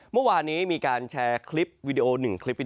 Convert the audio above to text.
เมื่อวานี้มีการแชร์๑คลิปวัตถุ